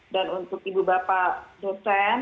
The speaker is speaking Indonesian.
dan untuk ibu bapak dosen